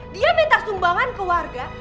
dia minta sumbangan ke warga